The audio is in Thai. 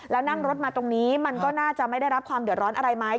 แล้วนั่งรถมาตรงนี้มันก็น่าจะไม่ได้รับความเดือดร้อนอะไรไหม